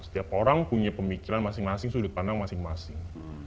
setiap orang punya pemikiran masing masing sudut pandang masing masing